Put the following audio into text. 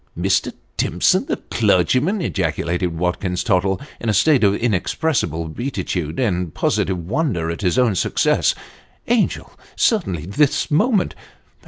" Mr. Timsou, the clergyman !" ejaculated Watkins Tottle, in a state of inexpressible beatitude, and positive wonder at his own success. " Angel ! Certainly this moment